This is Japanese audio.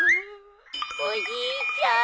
おじいちゃん。